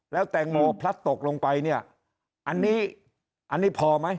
แล้วแตงโมพลัดตกลงไปเนี่ยอันนี้อันนี้พอไหม